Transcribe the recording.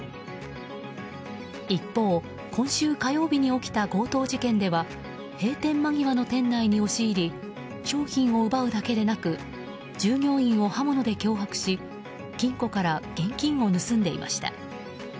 一方、今週火曜日に起きた強盗事件では閉店間際の店内に押し入り商品を奪うだけでなく従業員を刃物で脅迫し金庫から現金を盗んでいました。